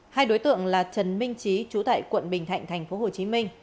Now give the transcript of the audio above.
hai đối tượng là trần minh trí trú tại quận bình thạnh tp hcm